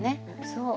そう。